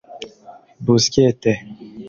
Busquets